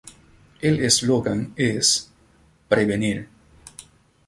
El eslogan es: "Prevenir.